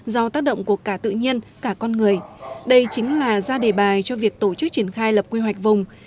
do tác động của cả tự nhiên cả con người đây chính là ra đề bài cho việc tổ chức triển khai lập quy hoạch vùng